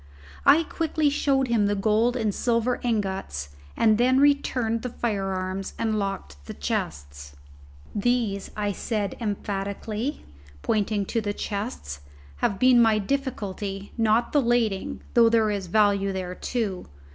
I quickly showed him the gold and silver ingots and then returned the firearms and locked the chests. "These," said I emphatically, pointing to the cases, "have been my difficulty; not the lading, though there is value there too.